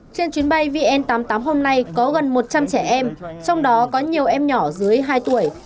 trên chuyến bay vn tám mươi tám hôm nay có gần một trăm linh trẻ em trong đó có nhiều em nhỏ dưới hai tuổi